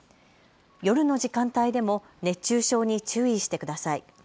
夜の時間帯でも熱中症に注意してください。